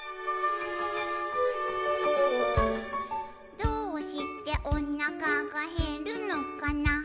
「どうしておなかがへるのかな」